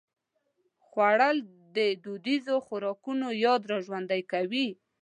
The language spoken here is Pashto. خوړل د دودیزو خوراکونو یاد راژوندي کوي